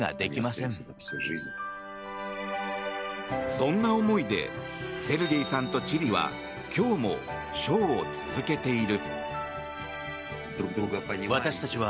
そんな思いでセルゲイさんとチリは今日もショーを続けている。